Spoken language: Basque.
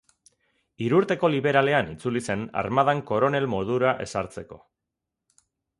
Hirurteko liberalean itzuli zen armadan koronel modura ezartzeko.